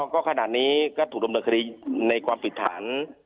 ก็ขนาดนี้ก็ถูกดำเนินคดีในความผิดฐาน